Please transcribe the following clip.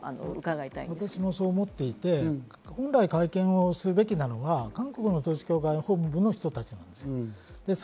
私もそう思っていて、本来、会見をするべきなのは韓国の統一教会の本部の人たちです。